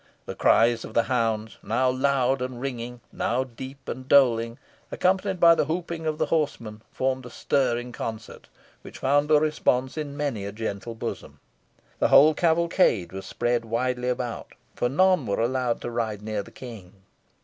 The cries of the hounds now loud and ringing now deep and doling, accompanied by the whooping of the huntsmen, formed a stirring concert, which found a response in many a gentle bosom. The whole cavalcade was spread widely about, for none were allowed to ride near the King.